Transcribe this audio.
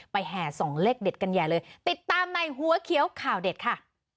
แห่ส่องเลขเด็ดกันใหญ่เลยติดตามในหัวเขียวข่าวเด็ดค่ะ